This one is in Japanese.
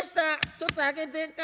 ちょっと開けてんか？